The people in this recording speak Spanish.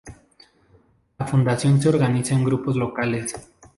La fundación se organiza en grupos locales.